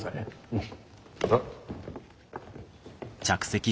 うん。